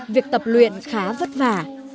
việc tập luyện khá vất vả